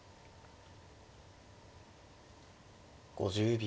５０秒。